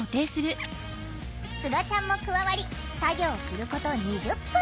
すがちゃんも加わり作業すること２０分。